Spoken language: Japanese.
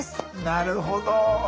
なるほど。